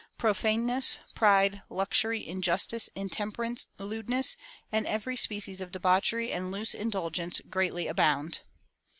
Profaneness, pride, luxury, injustice, intemperance, lewdness, and every species of debauchery and loose indulgence greatly abound."